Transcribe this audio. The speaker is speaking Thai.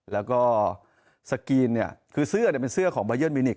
แล้วก็สกรีนเนี่ยคือเสื้อเป็นเสื้อของบายันมิวนิก